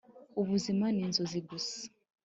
ubuzima ni inzozi gusa! -